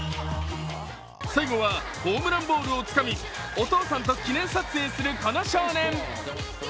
最後はホームランボールをつかみお父さんと記念撮影するこの少年。